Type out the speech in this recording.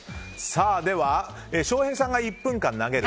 では翔平さんが１分間投げる。